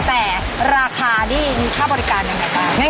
แต่ราคานี่มีค่าบริการยังไงบ้าง